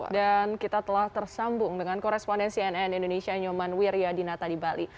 dan kita telah tersambung dengan korespondensi nn indonesia nyoman wiryadinata di bali